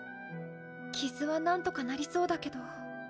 傷はなんとかなりそうだけど。